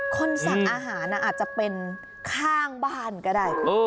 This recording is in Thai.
คนสั่งอาหารอาจจะเป็นข้างบ้านก็ได้คุณ